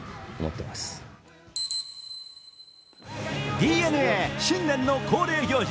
ＤｅＮＡ、新年の恒例行事